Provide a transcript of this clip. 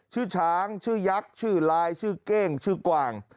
ชื่อช้างชื่อยักษ์ชื่อลายชื่อเก้งชื่อกวาง